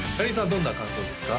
どんな感想ですか？